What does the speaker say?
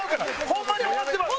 ホンマに終わってまう！